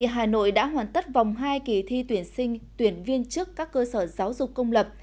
hà nội đã hoàn tất vòng hai kỳ thi tuyển sinh tuyển viên trước các cơ sở giáo dục công lập